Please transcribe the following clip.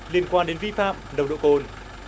liên quan đến vi phạm nồng độ cồn